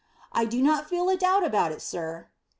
"I do not feel a doubt about it, sir."